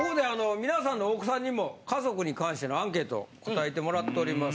皆さんのお子さんにも家族に関してのアンケートを答えてもらっております。